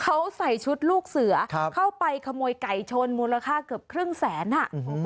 เขาใส่ชุดลูกเสือเข้าไปขโมยไก่ชนมูลค่าเกือบครึ่งแสนอ่ะ